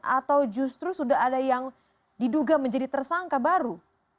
atau justru sudah ada yang diduga menjadi tersangka baru